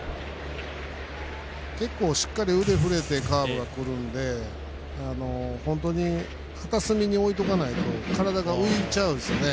結構、しっかり腕振れてカーブがくるので本当に片隅に、おいとかないと体が浮いちゃうんですよね。